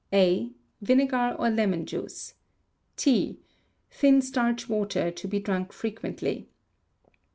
A. Vinegar or lemon juice. T. Thin starch water to be drunk frequently.